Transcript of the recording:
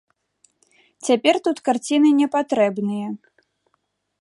Цяпер тут карціны не патрэбныя.